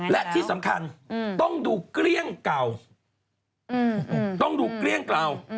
และที่สำคัญต้องดูเกลี้ยงเก่า